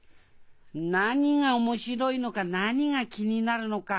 何が面白いのか何が気になるのか。